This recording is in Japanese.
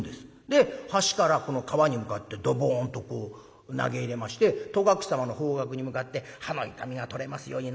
で橋からこの川に向かってドボンとこう投げ入れまして戸隠様の方角に向かって「歯の痛みが取れますように。